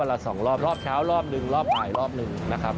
วันละ๒รอบรอบเช้ารอบนึงรอบบ่ายรอบนึงนะครับ